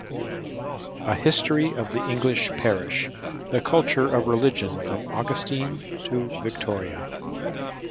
"A History of the English Parish: The Culture of Religion from Augustine to Victoria".